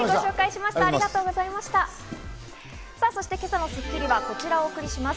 今朝の『スッキリ』はこちらをお送りします。